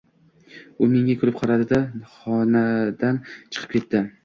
U menga kulib qaradi-da, honadan chiqib ketdi